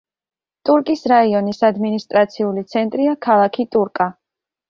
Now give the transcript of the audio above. ტურკის რაიონის ადმინისტრაციული ცენტრია ქალაქი ტურკა.